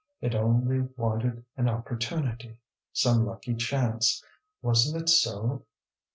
It only wanted an opportunity some lucky chance. Wasn't it so?"